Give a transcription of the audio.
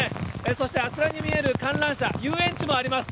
そしてあちらに見える観覧車、遊園地もあります。